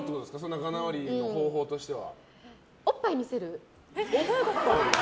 仲直りの方法としては。